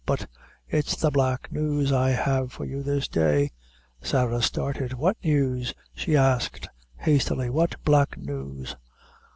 but it's the black news I have for you this day." Sarah started. "What news," she asked, hastily "what black news?"